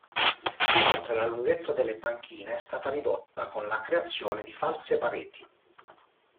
Inoltre, la lunghezza delle banchine è stata ridotta con la creazione di false pareti.